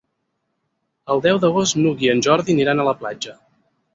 El deu d'agost n'Hug i en Jordi aniran a la platja.